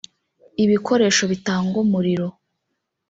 ibikoresho bitanga umuriro